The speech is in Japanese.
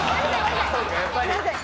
すいません。